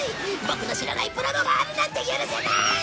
ボクの知らないプラモがあるなんて許せない！